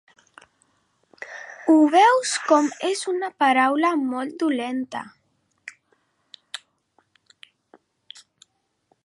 Ho veus com és una paraula molt dolenta!